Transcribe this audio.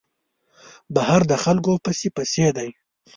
بهر د خلکو پس پسي دی.